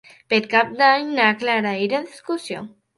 Per Cap d'Any na Clara irà d'excursió.